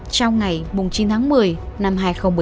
trong ngày chín tháng một mươi năm hai nghìn một mươi chín